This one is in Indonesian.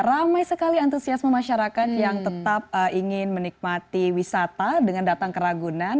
ramai sekali antusiasme masyarakat yang tetap ingin menikmati wisata dengan datang ke ragunan